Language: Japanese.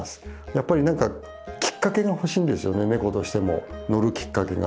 やっぱり何かきっかけがほしいんですよねネコとしても乗るきっかけが。